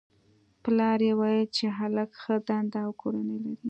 پلار یې ویل چې هلک ښه دنده او کورنۍ لري